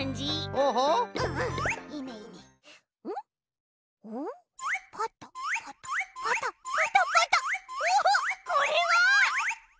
おっこれは！